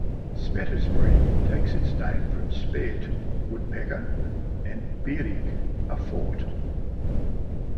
Spetisbury takes its name from speht - woodpecker, and byrig - a fort.